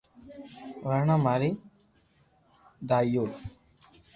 ورنا ماري دآئيو